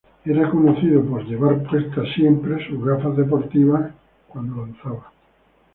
Era conocido por siempre llevar puestas sus gafas deportivas al lanzar.